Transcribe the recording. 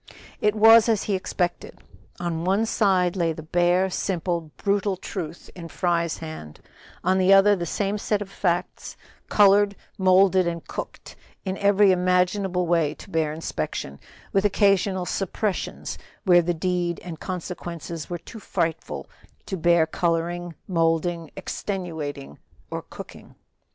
It was as he expected. On one side lay the bare, simple, brutal truth in Fry's hand, on the other the same set of facts colored, molded and cooked in every imaginable way to bear inspection, with occasional suppressions where the deed and consequences were too frightful to bear coloring, molding, extenuating or cooking.